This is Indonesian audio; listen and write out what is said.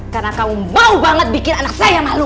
karena kamu mau banget bikin anak saya malu